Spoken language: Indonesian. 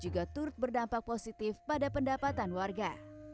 juga turut berdampak positif pada pendapatan warga